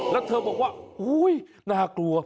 แล้วเธอบอกว่าอุ้ยน่ากลัว